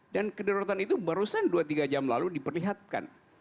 dan kederoratan itu barusan dua tiga jam lalu diperlihatkan